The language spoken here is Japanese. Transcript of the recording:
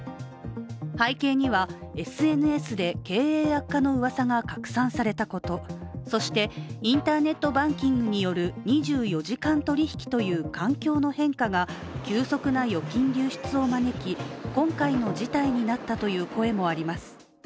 背景には、ＳＮＳで経営悪化のうわさが拡散されたこと、そしてインターネットバンキングによる２４時間取引という環境の変化が急速な預金流出を招き、今回の事態になったという声もあります。